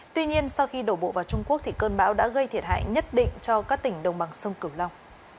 tuy nhiên sau khi đổ bộ vào trung quốc cơn bão đã gây thiệt hại nhất định cho các tỉnh đồng bằng sông cửu long